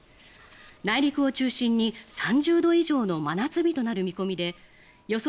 内陸を中心に３０度以上の真夏日となる見込みで予想